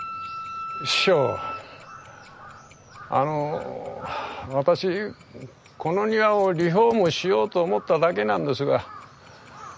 あの私この庭をリフォームしようと思っただけなんですが。